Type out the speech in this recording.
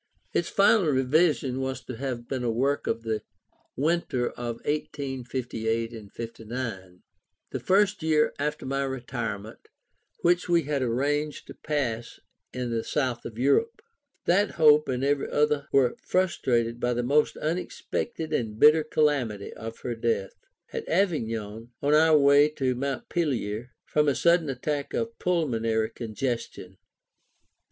Its final revision was to have been a work of the winter of 1858 9, the first after my retirement, which we had arranged to pass in the south of Europe. That hope and every other were frustrated by the most unexpected and bitter calamity of her death at Avignon, on our way to Montpellier, from a sudden attack of pulmonary congestion.